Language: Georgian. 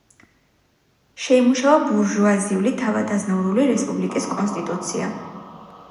შეიმუშავა ბურჟუაზიული თავადაზნაურული რესპუბლიკის კონსტიტუცია.